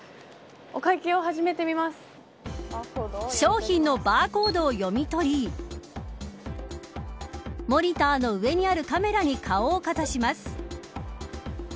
商品のバーコードを読み取りモニターの上にあるカメラに顔をかざします。